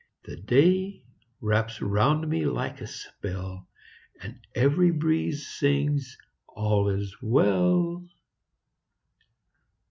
The day wraps round me like a spell, And every breeze sings, "All is well."